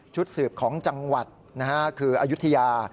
สืบของจังหวัดคืออายุทยา